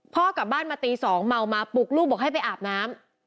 พ่อกลับบ้านมาตี๒เมามาปลุกลูกบอกให้ไปอาบน้ำ